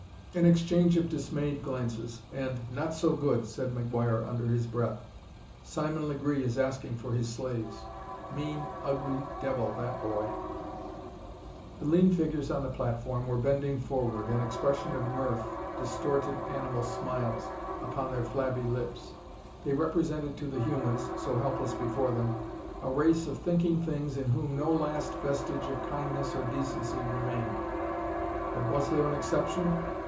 An exchange of dismayed glances, and "Not so good!" said McGuire under his breath; "Simon Legree is asking for his slaves. Mean, ugly devil, that boy!" The lean figures on the platform were bending forward, an expression of mirth distorted, animal smiles upon their flabby lips. They represented to the humans, so helpless before them, a race of thinking things in whom no last vestige of kindness or decency remained. But was there an exception?